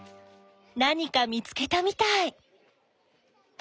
何か見つけたみたい！